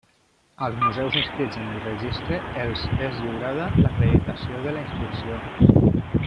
Als museus inscrits en el Registre, els és lliurada l'acreditació de la inscripció.